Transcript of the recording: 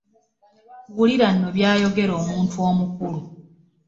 Wulira nno by'ayogera omuntu omukulu.